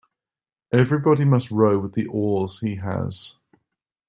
Everybody must row with the oars he has.